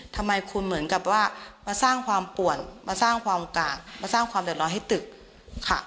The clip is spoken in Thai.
ทำไมคุณเหมือนกับว่ามาสร้างความป่วนมาสร้างความกากมาสร้างความเดือดร้อนให้ตึกค่ะ